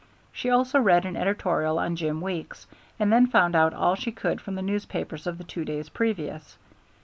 She also read an editorial on Jim Weeks, and then found out all she could from the newspapers of the two days previous.